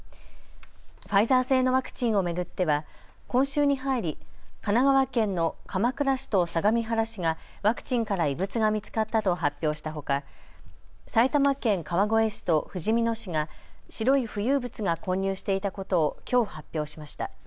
ファイザー製のワクチンを巡っては今週に入り神奈川県の鎌倉市と相模原市がワクチンから異物が見つかったと発表したほか、埼玉県川越市とふじみ野市が白い浮遊物が混入していたことをきょう発表しました。